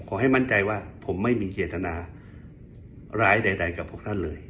ขอให้มั่นใจว่าผมไม่มีเจตนาร้ายใดกับพวกท่านเลย